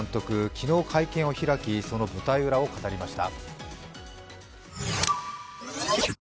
昨日会見を開き、その舞台裏を語りました。